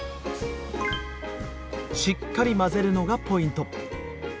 しっかり混ぜるのがポイント。